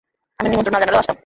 আমি নিমন্ত্রণ না জানালেও আসতাম!